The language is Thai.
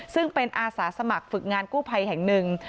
ซึ่งเป็นอาสาสมัครฝึกงานกู้ภัยแห่งหนึ่ง